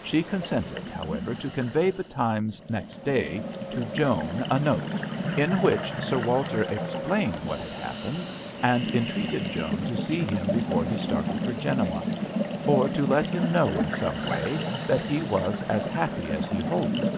She consented, however, to con vey betimes next day to Joan a note, in which Sir Walter ex plained what had happened, and entreated Joan to see him before he started for Genoa, or to let him know in some way that he was as happy as he hoped.